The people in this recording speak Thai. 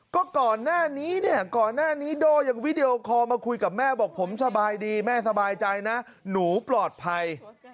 ก็ก่อนหน้านี้เนี่ยก่อนหน้านี้โด่ยังวิดีโอคอลมาคุยกับแม่บอกผมสบายดีแม่สบายใจนะหนูปลอดภัย